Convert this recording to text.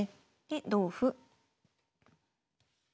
で同歩。